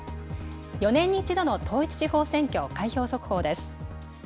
４年に１度の統一地方選挙、開票速報です。